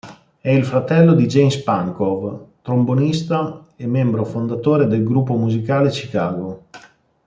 È il fratello di James Pankow, trombonista e membro fondatore del gruppo musicale Chicago.